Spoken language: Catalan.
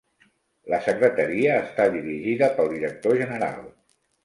La Secretaria està dirigida pel director general.